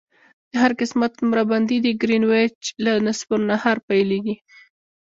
د هر قسمت نمره بندي د ګرینویچ له نصف النهار پیلیږي